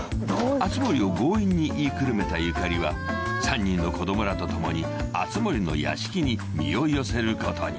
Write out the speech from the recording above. ［熱護を強引に言いくるめたゆかりは３人の子供らと共に熱護の屋敷に身を寄せることに］